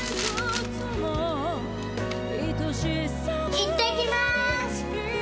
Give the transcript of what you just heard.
いってきます！